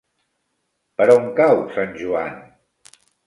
Per on cau Sant Joan?